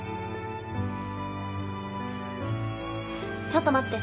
ちょっと待って